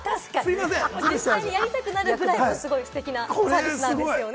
実際やりたくなるぐらいすごいステキなサービスですよね。